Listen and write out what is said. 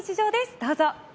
どうぞ。